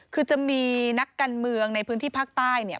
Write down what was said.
คือจะมีนักการเมืองในพื้นที่ภาคใต้เนี่ย